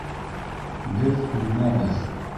— Беҙ үлмәбеҙ!